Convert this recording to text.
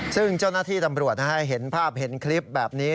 ซึ่งเจ้าหน้าที่ตำรวจเห็นภาพเห็นคลิปแบบนี้